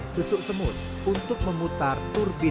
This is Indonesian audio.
dan pesuk semut untuk memutar turbin